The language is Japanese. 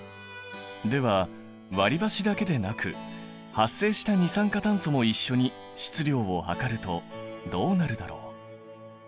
では割りばしだけでなく発生した二酸化炭素も一緒に質量を量るとどうなるだろう？